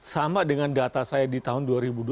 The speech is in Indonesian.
sama dengan data saya di tahun dua ribu dua puluh